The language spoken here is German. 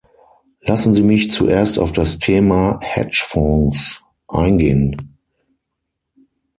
Lassen Sie mich zuerst auf das Thema Hedgefonds eingehen.